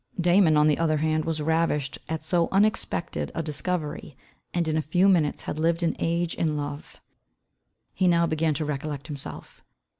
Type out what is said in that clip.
Damon on the other hand was ravished at so unexpected a discovery, and in a few minutes had lived an age in love. He now began to recollect himself.